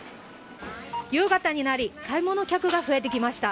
夕方になり買い物客が増えてきました。